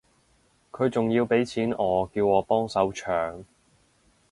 佢仲要畀錢我叫我幫手搶